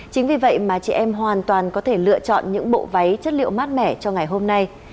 chính vì vậy mà chị em hoàn toàn có thể lựa chọn những bộ váy chất liệu mát mẻ cho ngày hôm nay